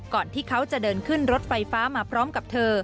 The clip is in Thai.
ที่เขาจะเดินขึ้นรถไฟฟ้ามาพร้อมกับเธอ